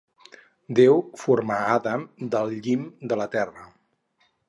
Déu formà Adam del llim de la terra.